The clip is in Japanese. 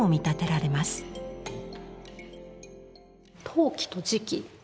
陶器と磁器。